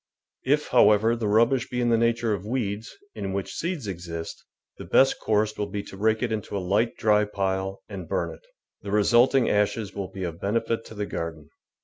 If, however, the rubbish be in the nature of weeds, in which seeds exist, the best course will be to rake it into a light, dry pile and burn it. The resulting ashes will be of benefit to the garden.